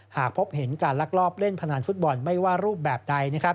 หากพบเห็นการลักลอบเล่นพนันฟุตบอลไม่ว่ารูปแบบใด